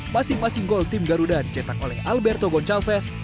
masing masing gol tim garuda dicetak oleh alberto goncalves